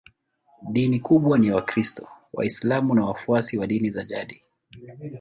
Dini kubwa ni Wakristo, Waislamu na wafuasi wa dini za jadi.